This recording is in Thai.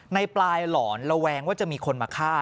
ในปลายหลอนระแวงว่าจะมีคนมาฆ่า